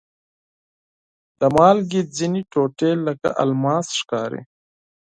د مالګې ځینې ټوټې لکه الماس ښکاري.